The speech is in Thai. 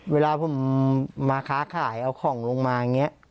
เวลาผมมาค้าขายเอาของลงมาอย่างนี้